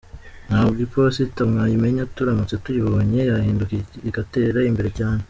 ntabwo Iposita mwayimenya turamutse tuyabonye yahinduka igatera imbere cyane.